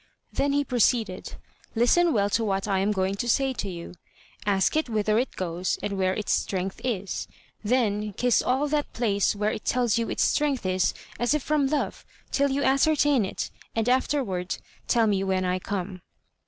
Then he proceeded: "Listen well to what I am going to say to you. Ask it whither it goes and where its strength is; then kiss all that place where it tells you its strength is, as if from love, till you ascertain it, and afterward tell me when I come."